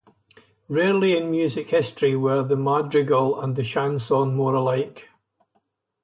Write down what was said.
Rarely in music history were the madrigal and the chanson more alike.